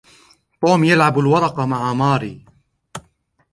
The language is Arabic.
توم يلعب الورق مع ماري.